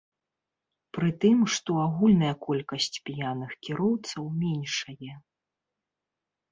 Пры тым, што агульная колькасць п'яных кіроўцаў меншае.